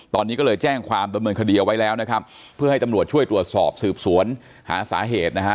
ตอนนี้ก็เลยแจ้งความดำเนินคดีเอาไว้แล้วนะครับเพื่อให้ตำรวจช่วยตรวจสอบสืบสวนหาสาเหตุนะฮะ